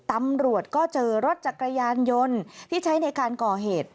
ตำรวจก็เจอรถจักรยานยนต์ที่ใช้ในการก่อเหตุ